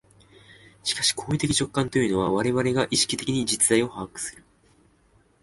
しかし行為的直観というのは、我々が意識的に実在を把握する、